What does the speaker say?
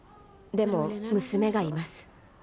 でも娘がいます。